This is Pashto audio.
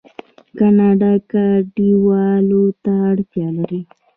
کاناډا کډوالو ته اړتیا لري.